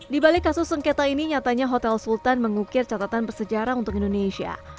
di balik kasus sengketa ini nyatanya hotel sultan mengukir catatan bersejarah untuk indonesia